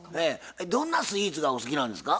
どんなスイーツがお好きなんですか？